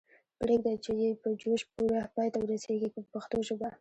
پریږدئ چې یې په جوش پوره پای ته ورسیږي په پښتو ژبه.